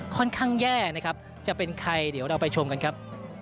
ค่อนข้างแย่นะครับจะเป็นใครเดี๋ยวเราไปชมกันครับ